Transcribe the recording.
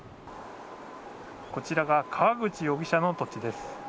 こちらが川口容疑者の土地です。